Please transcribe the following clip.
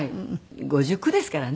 ５９ですからね。